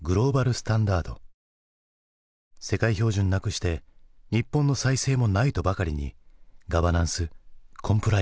世界標準なくして日本の再生もないとばかりにガバナンスコンプライアンス。